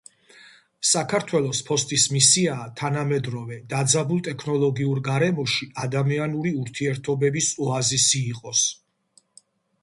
საქართველოს ფოსტის მისიაა თანამედროვე დაძაბულ ტექნოლოგიურ გარემოში, ადამიანური ურთიერთობების ოაზისი იყოს.